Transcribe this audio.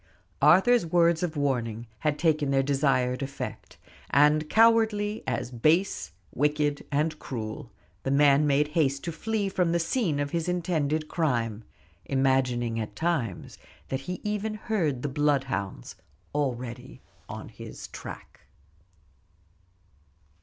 Arthur's words of warning had taken their desired effect; and cowardly, as base, wicked, and cruel, the man made haste to flee from the scene of his intended crime, imagining at times that he even heard the bloodhounds already on his track.